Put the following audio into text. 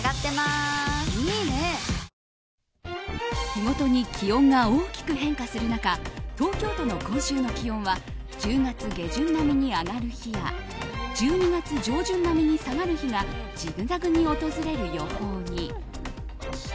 日ごとに気温が大きく変化する中東京都の今週の気温は１０月下旬並みに上がる日や１２月上旬並みに下がる日がジグザグに訪れる予報に。